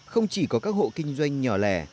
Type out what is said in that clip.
không chỉ có các hộ kinh doanh nhỏ lẻ